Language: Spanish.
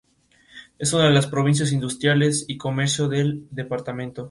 Es una de las provincias industriales y comerciales del departamento.